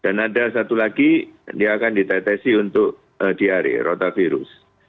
dan ada satu lagi dia akan ditetesi untuk diare rotavirus